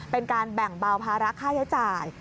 เป็นการแบ่งเบาภาระค่าใช้จ่าย